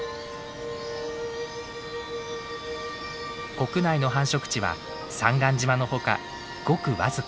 国内の繁殖地は三貫島のほかごく僅か。